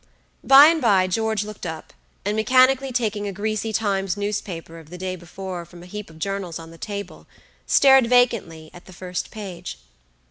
By and by George looked up, and mechanically taking a greasy Times newspaper of the day before from a heap of journals on the table, stared vacantly at the first page.